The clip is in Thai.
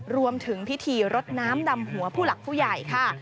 รวมถึงพิธีรดน้ำดำหัวผู้หลักผู้ใหญ่ค่ะ